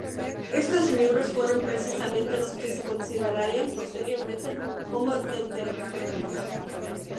Estos libros fueron precisamente los que se considerarían, posteriormente, como deuterocanónicos.